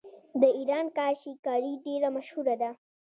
د ایران کاشي کاري ډیره مشهوره ده.